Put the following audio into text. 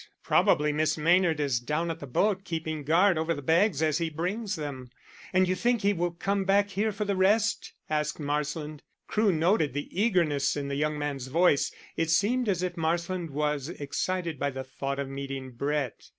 Probably Miss Maynard is down at the boat keeping guard over the bags as he brings them." "And you think he will come back here for the rest?" asked Marsland. Crewe noticed the eagerness in the young man's voice: it seemed as if Marsland was excited by the thought of meeting Brett.